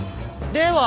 では